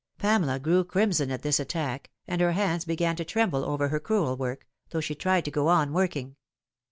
Pamela grew crimson at this attack, and her hands began to tremble over her crewel work, though she tried to go on working.